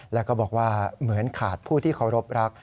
แล้วก็บอกว่าเหมือนขาดผู้ที่เคารพรัก